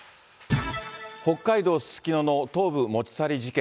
北海道すすきのの頭部持ち去り事件。